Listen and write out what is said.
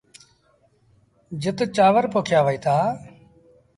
جت چآور پوکيآ وهيٚتآ۔